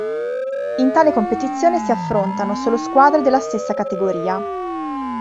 In tale competizione si affrontano, solo squadre della stessa categoria.